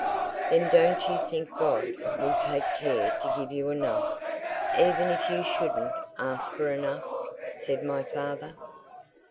"Then don't you think God will take care to give you enough, even if you shouldn't ask for enough?" said my father.